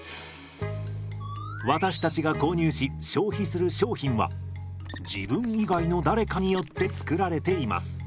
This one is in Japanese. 私たちが購入し消費する商品は自分以外の誰かによって作られています。